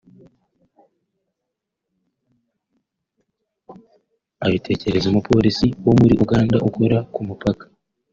abitekerereza umupolisi wo muri Uganda ukora ku mupaka